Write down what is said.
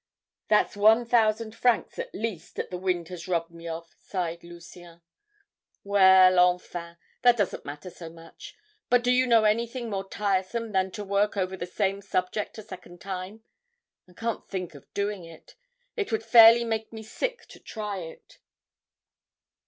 "'That's one thousand francs, at least, that the wind has robbed me of,' sighed Lucien. 'Well, enfin, that doesn't matter so much. But do you know anything more tiresome than to work over the same subject a second time? I can't think of doing it. It would fairly make me sick to try it.'